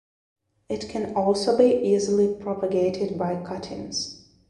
It can also be easily propagated by cuttings.